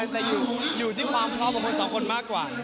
แต่อยู่ที่ความพร้อมของคนสองคนมากกว่า